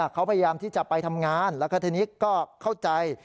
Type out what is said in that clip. เขาพยายามที่จะไปทำงานแล้วก็ทีนี้ก็เข้าใจ